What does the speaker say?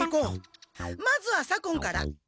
まずは左近から。